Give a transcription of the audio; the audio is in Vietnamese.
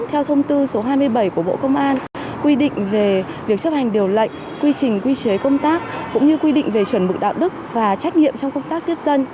theo thông tư số hai mươi bảy của bộ công an quy định về việc chấp hành điều lệnh quy trình quy chế công tác cũng như quy định về chuẩn mực đạo đức và trách nhiệm trong công tác tiếp dân